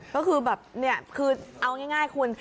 ก็คือแบบนี่เอาง่ายคุณ